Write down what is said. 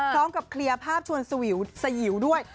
พร้อมกับเคลียร์ภาพชวนสวิวสยิวด้วย